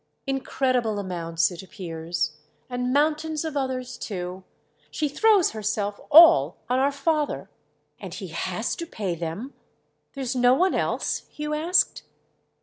"Incredible amounts it appears. And mountains of others too. She throws herself all on our father." "And he has to pay them? There's no one else?" Hugh asked.